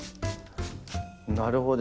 なるほど。